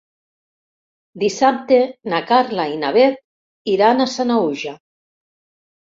Dissabte na Carla i na Bet iran a Sanaüja.